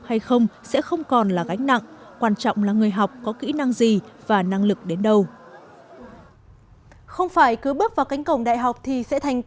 bản thân tôi cũng là một người học bốn bằng nghề hai bằng đại học